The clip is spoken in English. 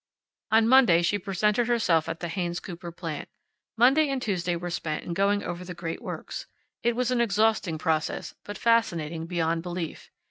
On Monday she presented herself at the Haynes Cooper plant. Monday and Tuesday were spent in going over the great works. It was an exhausting process, but fascinating beyond belief.